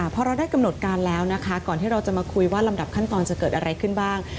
พอเราได้กำหนดการแล้วนะคะก่อนที่เราจะมาคุยว่าลำดับขั้นตอนจะเกิดอะไรขึ้นบ้าง